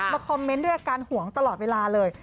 คอมเมนต์ด้วยอาการห่วงตลอดเวลาเลย